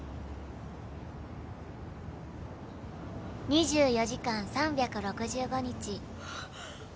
「２４時間３６５日」